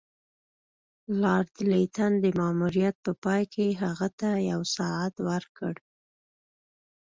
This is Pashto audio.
لارډ لیټن د ماموریت په پای کې هغه ته یو ساعت ورکړ.